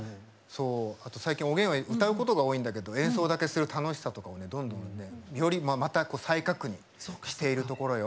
あと最近、おげんは歌うことが多いんだけど演奏だけする楽しさとかどんどん、よりまた再確認しているところよ。